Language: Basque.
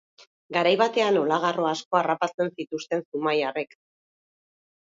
Garai batean olagarro asko harrapatzen zituzten zumaiarrek.